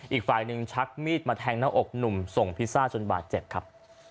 อีกฝ่ายหนึ่งชักมีดมาแทงหน้าอกหนุ่มส่งพิซซ่าจนบาดเจ็บครับ